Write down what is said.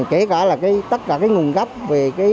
kể cả là tất cả cái nguồn gốc về